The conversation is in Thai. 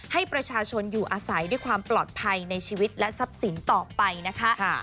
ให้ประชาชนอยู่อาศัยด้วยความปลอดภัยในชีวิตและทรัพย์สินต่อไปนะคะ